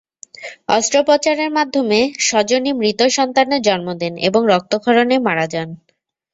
অস্ত্রোপচারের মাধ্যমে সজনী মৃত সন্তানের জন্ম দেন এবং রক্তক্ষরণে মারা যান।